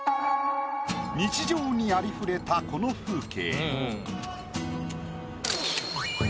日常にありふれたこの風景。